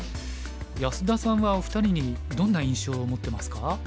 安田さんはお二人にどんな印象を持ってますか？